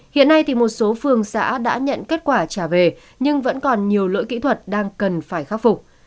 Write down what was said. hiện nay một số phường xã đã nhận kết quả trả về nhưng vẫn còn nhiều lỗi kỹ thuật đang cần phải khắc phục